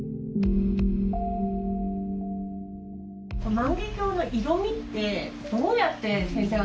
万華鏡の色みってどうやって先生は？